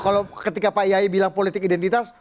kalau ketika pak yai bilang politik identitas